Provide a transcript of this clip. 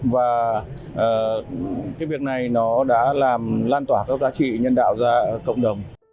và việc này đã làm lan tỏa các giá trị nhân đạo ra cộng đồng